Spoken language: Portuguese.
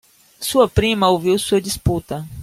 Sua prima ouviu sua disputa